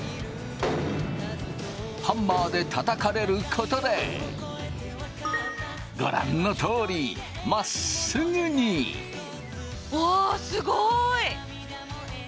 ハンマーでたたかれることでご覧のとおりまっすぐに。わすごい！